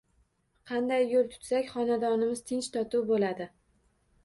Qanday yo‘l tutsak, xonadonimiz tinch-totuv bo‘ladi.